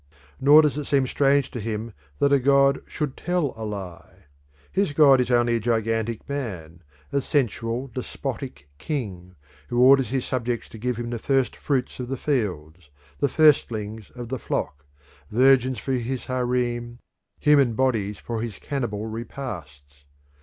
Nor does it seem strange to him that a god should tell a lie. His god is only a gigantic man, a sensual, despotic king who orders his subjects to give him the first fruits of the fields, the firstlings of the flock, virgins for his harem, human bodies for his cannibal repasts.